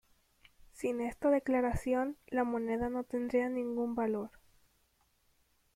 Sin esta declaración, la moneda no tendría ningún valor.